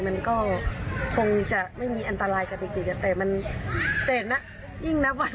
มันก็คงจะไม่มีอันตรายกับเด็กอ่ะแต่มันแต่นะยิ่งนับวัน